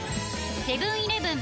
セブン−イレブン